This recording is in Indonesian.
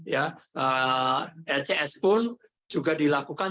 ics pun juga dilakukan